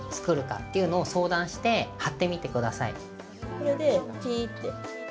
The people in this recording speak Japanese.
これで、ピーって。